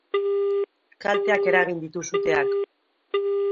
Kalteak eragin ditu suteak.